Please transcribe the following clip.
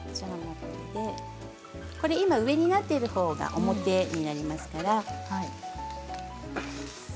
今、上になっているほうが表になりますから。